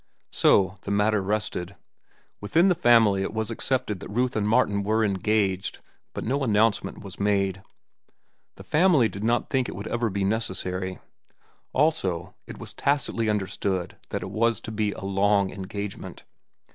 So the matter rested. Within the family it was accepted that Ruth and Martin were engaged, but no announcement was made. The family did not think it would ever be necessary. Also, it was tacitly understood that it was to be a long engagement.